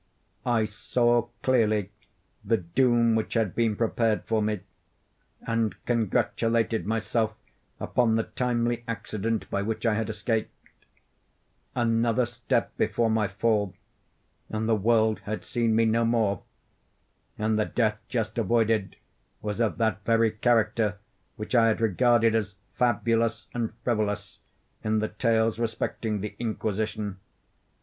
I saw clearly the doom which had been prepared for me, and congratulated myself upon the timely accident by which I had escaped. Another step before my fall, and the world had seen me no more. And the death just avoided, was of that very character which I had regarded as fabulous and frivolous in the tales respecting the Inquisition.